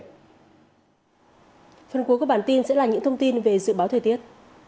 phần cuối của bản tin sẽ là những thông tin về dự báo thời tiết